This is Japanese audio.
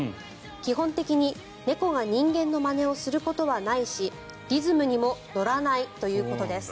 基本的に猫が人間のまねをすることはないしリズムにも乗らないということです。